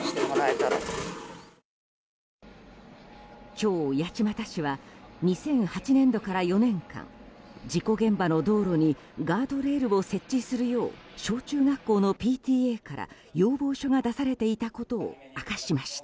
今日、八街市は２００８年度から４年間事故現場の道路にガードレールを設置するよう小中学校のＰＴＡから要望書が出されていたことを明かしました。